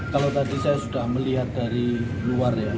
kalau tadi saya sudah melihat dari luar ya